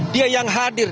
dia yang hadir